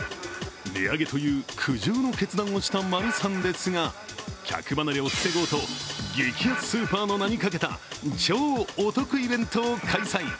値上げという苦渋の決断をしたマルサンですが客離れを防ごうと激安スーパーの名にかけた超お得イベントを開催。